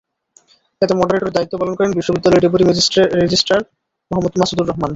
এতে মডারেটরের দায়িত্ব পালন করেন বিশ্ববিদ্যালয়ের ডেপুটি রেজিস্ট্রার মোহাম্মদ মাসুদুর রহমান।